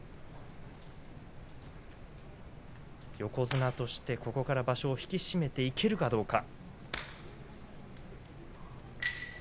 横綱として、ここから場所を引き締めていけるかどうか。